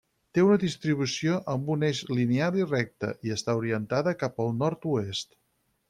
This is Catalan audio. Té una distribució amb un eix lineal i recte, i està orientada cap al nord-oest.